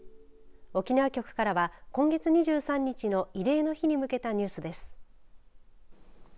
沖縄局からは今月２３日の慰霊の日に向けたニュースです。